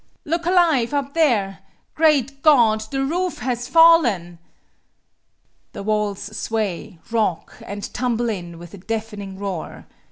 "Look alive, up there! Great God! The roof has fallen!" The walls sway, rock, and tumble in with a deafening roar.